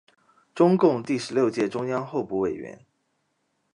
中共第十六届中央候补委员。